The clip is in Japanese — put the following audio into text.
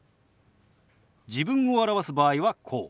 自分を表す場合はこう。